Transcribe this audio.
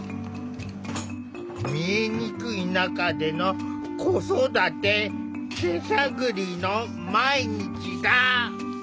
見えにくい中での子育て手探りの毎日だ。